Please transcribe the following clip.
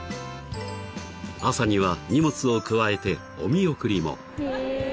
［朝には荷物をくわえてお見送りも］